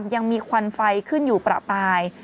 ยังมีควันไฟขึ้นอยู่ประปาย